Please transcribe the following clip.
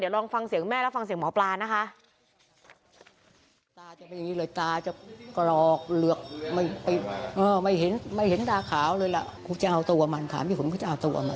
ลองฟังเสียงแม่แล้วฟังเสียงหมอปลานะคะ